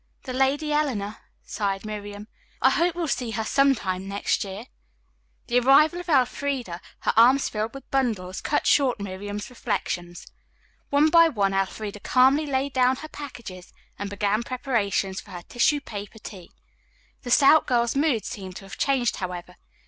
"The Lady Eleanor," sighed Miriam. "I hope we'll see her some time next year." The arrival of Elfreda, her arms filled with bundles, cut short Miriam's reflections. One by one Elfreda calmly laid down her packages and began preparations for her tissue paper tea. The stout girl's mood seemed to have changed, however.